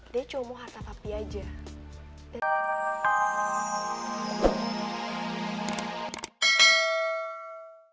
dia gak tau